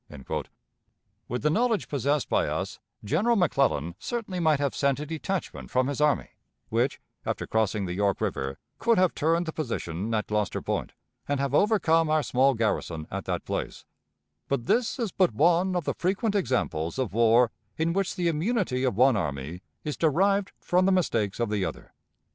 With the knowledge possessed by us, General McClellan certainly might have sent a detachment from his army which, after crossing the York River, could have turned the position at Gloucester Point and have overcome our small garrison at that place; but this is but one of the frequent examples of war in which the immunity of one army is derived from the mistakes of the other.